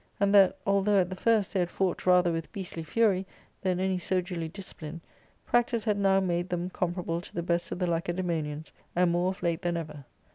And that, although at the first they had fought rather with beastly fury than any soldierly discipline, practice had now made them comparable to the best of the Lacedaemonians, and more of late than ever.